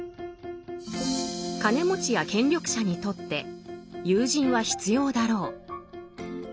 金持ちや権力者にとって友人は必要だろう。